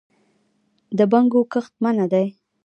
د بنګو کښت منع دی